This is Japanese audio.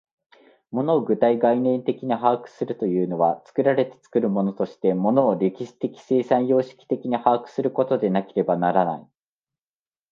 物を具体概念的に把握するというのは、作られて作るものとして物を歴史的生産様式的に把握することでなければならない。